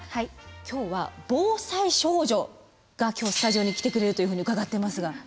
今日は防災少女がスタジオに来てくれるというふうに伺ってますが。